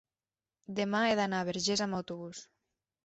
demà he d'anar a Verges amb autobús.